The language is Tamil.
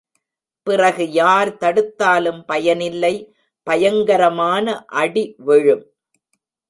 பிறகு யார் தடுத்தாலும் பயனில்லை பயங்கரமான அடி விழும்.